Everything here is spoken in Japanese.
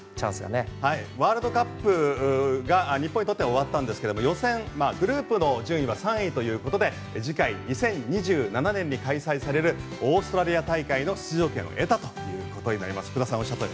ワールドカップが日本にとって終わったんですが予選グループの順位は３位ということで次回２０２７年に開催されるオーストラリア大会の出場権を得たと。